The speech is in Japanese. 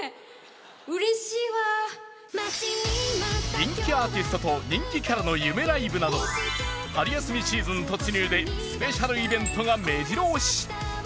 人気アーティストと人気アナの夢ライブなど春休みシーズン突入でスペシャルイベントがめじろ押し。